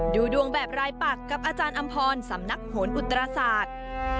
ดูดวงแบบรายปักกับอาจารย์อำพรสำนักโหนอุตราศาสตร์